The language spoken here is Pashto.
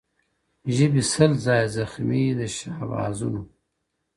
ژبي سل ځايه زخمي د شهبازونو،